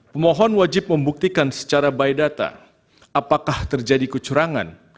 pemohon wajib membuktikan secara by data apakah terjadi kecurangan